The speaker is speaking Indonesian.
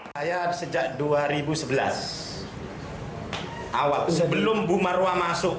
saya sejak dua ribu sebelas awal sebelum bumarwa masuk